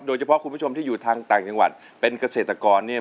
คุณผู้ชมที่อยู่ทางต่างจังหวัดเป็นเกษตรกรเนี่ย